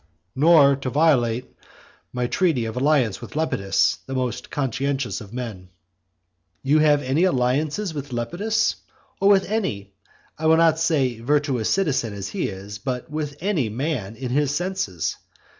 "Nor to violate my treaty of alliance with Lepidus, the most conscientious of men." You have any alliance with Lepidus or with any (I will not say virtuous citizen, as he is, but with any) man in his senses!